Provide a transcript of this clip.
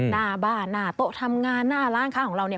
หน้าบ้านหน้าโต๊ะทำงานหน้าร้านค้าของเราเนี่ย